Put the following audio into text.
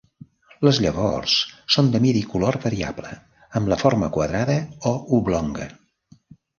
Les llavors són de mida i color variable amb la forma quadrada o oblonga.